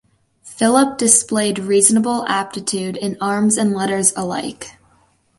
Philip displayed reasonable aptitude in arms and letters alike.